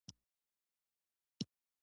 لږ ها خوا یو کنډر غوندې ځای و.